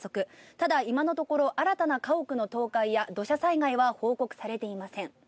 ただ、今のところ新たな家屋の倒壊や土砂災害は報告されていません。